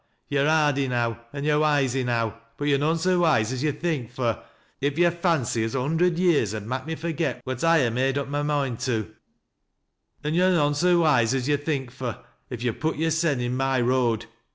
Yo're hard enow, an' yo're wise enow, but yo're noan so wise as yo' think fur, if yo' fancy as a hundred years ud mak' me forget what I ha' made up my moind to, an' yo're noan so wise as yo' think fur, if yo' put yoursen in my road.